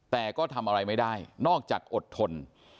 แต่ก็ทำอะไรไม่ได้นอกจากอดทน